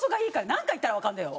何回言ったらわかんだよ！